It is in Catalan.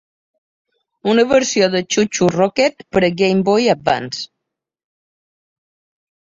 Una versió de ChuChu Rocket per a Game Boy Advance!